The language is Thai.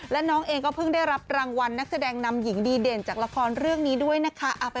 และน้องเองก็เพิ่งได้รับรางวัลนักแสดงนำหญิงดีเด่นจากละครเรื่องนี้ด้วยนะคะ